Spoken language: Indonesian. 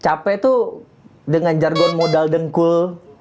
capek tuh dengan jargon modal dengkul